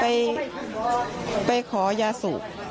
ไปไปขอยาสุ